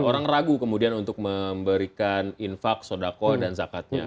orang ragu kemudian untuk memberikan infak sodako dan zakatnya